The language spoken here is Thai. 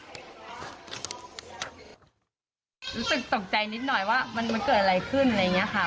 รู้สึกตกใจนิดหน่อยว่ามันเกิดอะไรขึ้นอะไรอย่างนี้ค่ะ